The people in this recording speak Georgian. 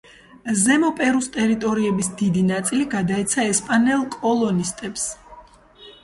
ზემო პერუს ტერიტორიების დიდი ნაწილი გადაეცა ესპანელ კოლონისტებს.